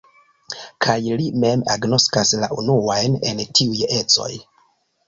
Kaj li mem agnoskas la unuajn el tiuj ecoj.